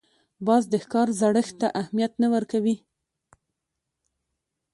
باز د ښکار زړښت ته اهمیت نه ورکوي